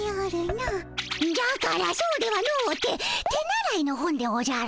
じゃからそうではのうて手習いの本でおじゃる。